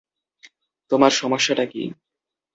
তোমার সমস্যাটা কী?